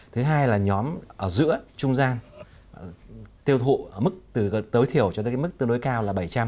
thứ hai là nhóm ở giữa trung gian tiêu thụ từ tối thiểu cho tới mức tương đối cao là bảy trăm linh